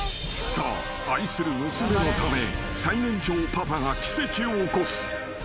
［さあ愛する娘のため最年長パパが奇跡を起こす］